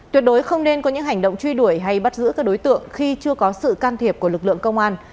tuyệt đối không nên có những hành động truy đuổi hay bắt giữ các đối tượng khi chưa có sự can thiệp của lực lượng công an